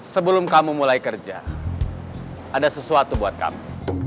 sebelum kamu mulai kerja ada sesuatu buat kami